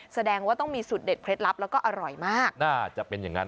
แสดงว่าต้องมีสูตรเด็ดเคล็ดลับแล้วก็อร่อยมากน่าจะเป็นอย่างนั้น